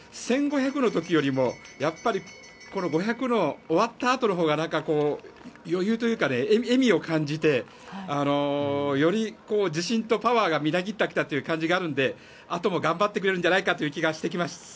１５００ｍの時よりも５００ｍの終わったあとのほうが余裕というか、笑みを感じてより自信とパワーがみなぎってきたという感じがあるのであとも頑張ってくれるんじゃないかという気がしてきます。